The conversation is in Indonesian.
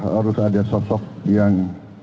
harus ada sosok yang